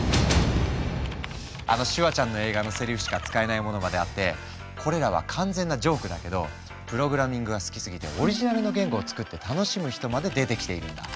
あのシュワちゃんの映画のセリフしか使えないものまであってこれらは完全なジョークだけどプログラミングが好きすぎてオリジナルの言語を作って楽しむ人まで出てきているんだ。